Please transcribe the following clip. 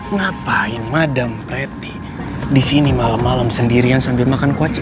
ngapain madam pretty disini malem malem sendirian sambil makan kue